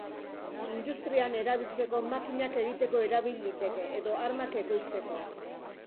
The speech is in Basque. Industrian erabiltzeko makinak egiteko erabil liteke, edo armak ekoizteko.